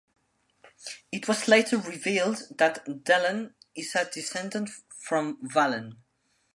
It was later revealed that Delenn is a descendant from Valen.